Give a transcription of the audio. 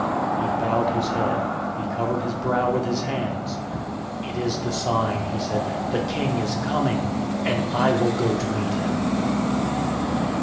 He bowed his head. He covered his brow with his hands. "It is the sign," he said. "The King is coming, and I will go to meet him."